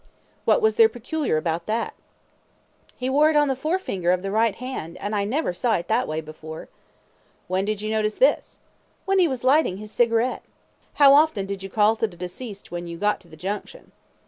Q. What was there peculiar about that? A. He wore it on the forefinger of the right hand, and I never saw it that way before. Q. When did you notice this? A. When he was lighting his cigarette. Q. How often did you call to the deceased when you got to the Junction?